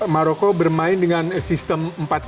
maroko bermain dengan sistem empat tiga tiga